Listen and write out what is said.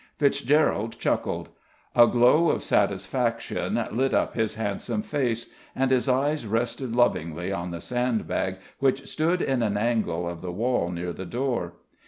Fitzgerald chuckled; a glow of satisfaction lit up his handsome face, and his eyes rested lovingly on the sandbag which stood in an angle of the wall near the door.